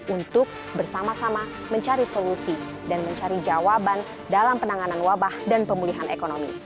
untuk bersama sama mencari solusi dan mencari jawaban dalam penanganan wabah dan pemulihan ekonomi